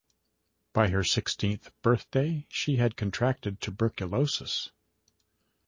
By her sixteenth birthday, she had contracted tuberculosis.